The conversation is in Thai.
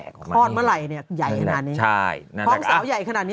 ข้อนพระมรัยใหญ่ขนาดนี้